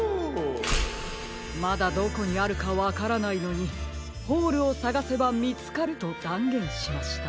まだどこにあるかわからないのに「ホールをさがせばみつかる」とだんげんしました。